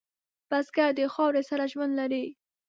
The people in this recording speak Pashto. بزګر د خاورې سره ژوند لري